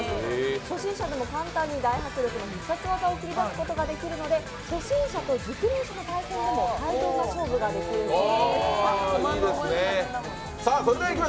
初心者でも簡単に大迫力の必殺技を繰り出すことができるので、初心者と熟練者の対戦でも対等な勝負ができるという。